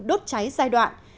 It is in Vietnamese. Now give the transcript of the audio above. đốt cháy giai đoạn